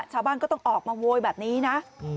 ชาวบ้านก็ต้องออกมาโวยแบบนี้นะ